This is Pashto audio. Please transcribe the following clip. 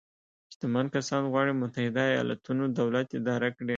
شتمن کسان غواړي متحده ایالتونو دولت اداره کړي.